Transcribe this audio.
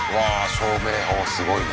照明おすごいね。